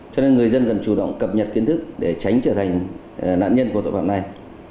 cho nên người dân cần chủ động cập nhật kiến thức để tránh trở thành nạn nhân của tội phạm này